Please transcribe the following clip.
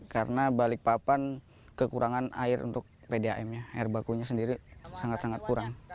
karena balikpapan kekurangan air untuk pdam nya air bakunya sendiri sangat sangat kurang